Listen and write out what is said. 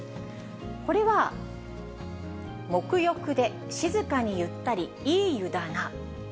これは、黙浴で、静かにゆったりいい湯だな。